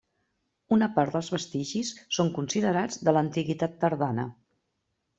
Una part dels vestigis són considerats de l'Antiguitat tardana.